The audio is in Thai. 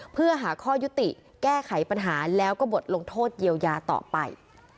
เพื่อหาข้อยุติแก้ไขปัญหาแล้วก็บทลงโทษเยียวยาต่อไป